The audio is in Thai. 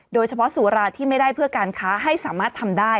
โดยเฉพาะสุราที่ไม่ได้เพื่อการค้าให้สามารถทำได้